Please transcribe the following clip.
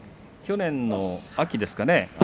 去年の秋ですかね